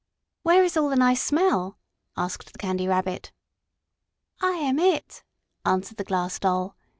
"Where is all the nice smell?" asked the Candy Rabbit. "I am it," answered the Glass Doll.